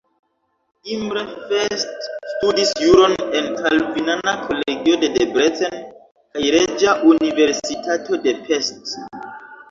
Imre Fest studis juron en kalvinana kolegio de Debrecen kaj Reĝa Universitato de Pest.